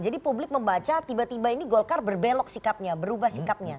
jadi publik membaca tiba tiba ini golkar berbelok sikapnya berubah sikapnya